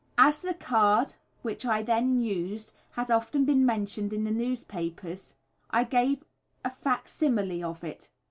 As the card which I then used has often been mentioned in the newspapers, I give a fac simile of it.